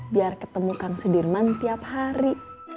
biar ketemu kang sudirman tiap hari